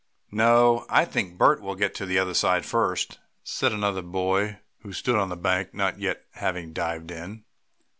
"No, I think Bert will get to the other side first!" said another boy, who stood on the bank, not yet having dived in.